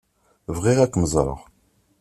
Bɣiɣ ad kem-ẓṛeɣ.